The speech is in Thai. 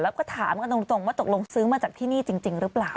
แล้วก็ถามกันตรงว่าตกลงซื้อมาจากที่นี่จริงหรือเปล่า